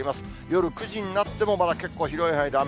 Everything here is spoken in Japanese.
夜９時になっても、まだ結構広い範囲で雨。